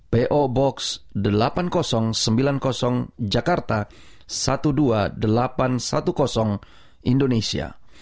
po box delapan ribu sembilan puluh jakarta dua belas ribu delapan ratus sepuluh indonesia